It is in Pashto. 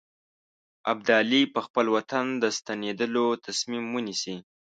ابدالي به خپل وطن ته د ستنېدلو تصمیم ونیسي.